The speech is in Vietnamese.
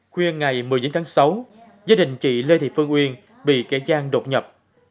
khuya ngày một mươi chín tháng sáu gia đình chị lê thị phương uyên bị kẻ gian đột nhập